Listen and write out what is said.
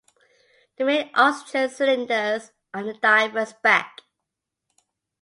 The main oxygen cylinders are on the diver's back.